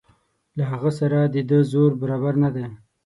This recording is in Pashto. له هغه سره د ده زور برابر نه دی.